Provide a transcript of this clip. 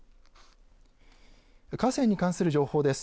河川に関する情報です。